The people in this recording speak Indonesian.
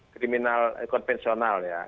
kriminal konvensional ya